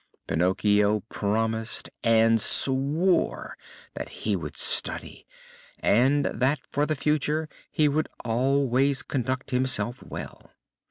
Pinocchio promised and swore that he would study, and that for the future he would always conduct himself well.